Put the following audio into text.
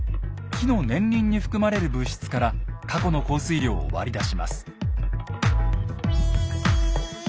木の年輪に含まれる物質から過去の降水量を割り出します。